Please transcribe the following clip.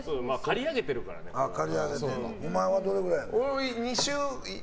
お前はどれぐらい？